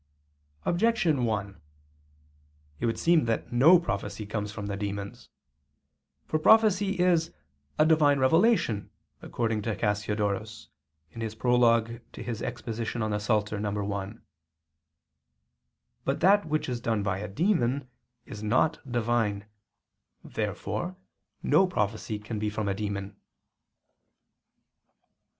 Objection 1: It would seem that no prophecy comes from the demons. For prophecy is "a Divine revelation," according to Cassiodorus [*Prol. in Psalt. i]. But that which is done by a demon is not Divine. Therefore no prophecy can be from a demon. Obj.